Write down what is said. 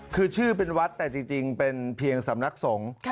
คือชื่อเป็นวัดแต่จริงเป็นเพียงสำนักสงฆ์